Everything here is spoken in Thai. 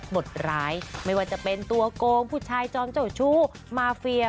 บทร้ายไม่ว่าจะเป็นตัวโกงผู้ชายจอมเจ้าชู้มาเฟีย